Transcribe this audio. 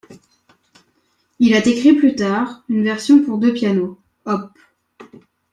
Il a écrit plus tard une version pour deux pianos, Op.